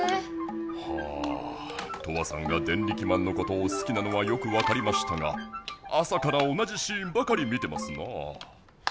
はあトアさんがデンリキマンのことをすきなのはよく分かりましたが朝から同じシーンばかり見てますなあ。